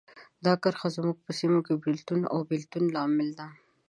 دا کرښه زموږ په سیمو کې د بېلتون او بیلتون لامل ده.